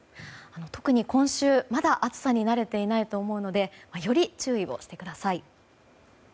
特に今週まだ暑さに慣れていないと思うのでより注意をしてください。